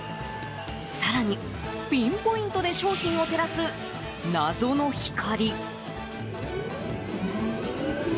更にピンポイントで商品を照らす謎の光。